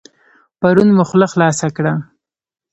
پرون مو خوله خلاصه کړه.